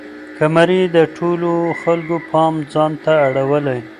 کمرې د ټولو خلکو پام ځان ته اړولی.